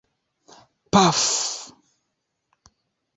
Pafu!